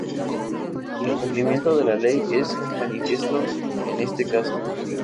El incumplimiento de la ley es manifiesto en este caso.